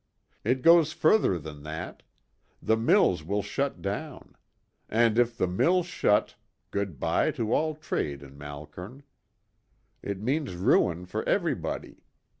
It goes further than that. The mills will shut down. And if the mills shut, good bye to all trade in Malkern. It means ruin for everybody.